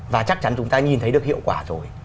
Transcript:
và chắc chắn chúng ta nhìn thấy được hiệu quả rồi